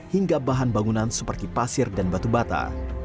hingga bahan bangunan seperti pasir dan batu bata